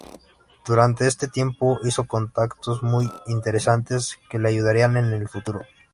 Durante este tiempo hizo contactos muy interesantes que le ayudarían en el futuro.